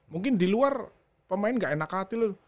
mungkin di luar pemain gak enak hati loh